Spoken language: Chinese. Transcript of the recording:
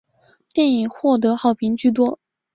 电影获得好评居多。